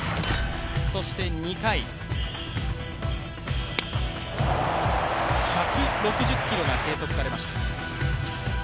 そして２回、１６０キロが計測されました。